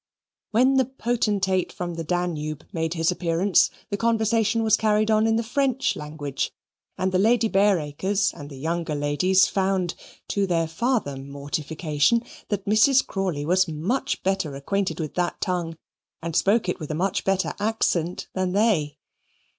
When the Potentate from the Danube made his appearance, the conversation was carried on in the French language, and the Lady Bareacres and the younger ladies found, to their farther mortification, that Mrs. Crawley was much better acquainted with that tongue, and spoke it with a much better accent than they.